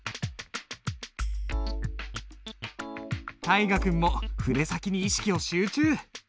大河君も筆先に意識を集中！